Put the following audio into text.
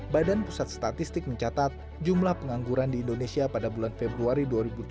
badan pusat statistik mencatat jumlah pengangguran di indonesia pada bulan februari dua ribu tujuh belas